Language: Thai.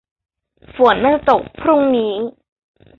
ฝนน่าจะตกพรุ่งนี้